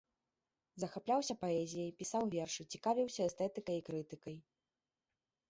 Захапляўся паэзіяй, пісаў вершы, цікавіўся эстэтыкай і крытыкай.